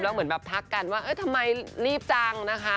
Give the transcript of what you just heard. แล้วเหมือนแบบทักกันว่าทำไมรีบจังนะคะ